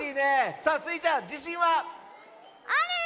さあスイちゃんじしんは⁉ある！